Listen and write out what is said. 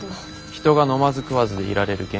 人が飲まず食わずでいられる限界。